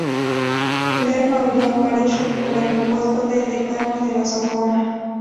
Lerma huyó a París, recuperando el puesto de decano de la Sorbona.